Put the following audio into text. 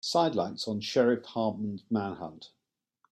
Sidelights on Sheriff Hartman's manhunt.